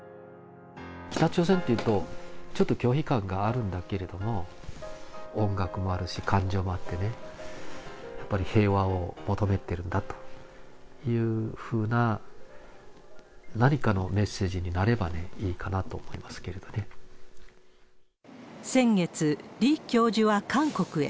北朝鮮っていうと、ちょっと拒否感があるんだけれども、音楽もあるし、感情もあってね、やっぱり平和を求めてるんだというふうな何かのメッセージになれ先月、李教授は韓国へ。